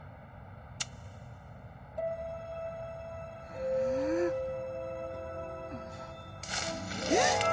うん？えっ！